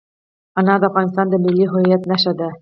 انار د افغانستان د ملي هویت نښه ده.